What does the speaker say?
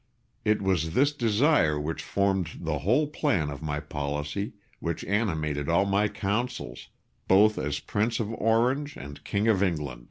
It was this desire which formed the whole plan of my policy, which animated all my counsels, both as Prince of Orange and King of England.